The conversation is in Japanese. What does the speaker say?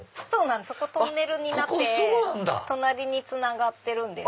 そこトンネルになって隣につながってるんです。